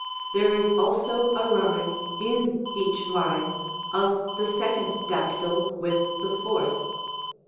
There is also a rhyme, in each line, of the second dactyl with the fourth.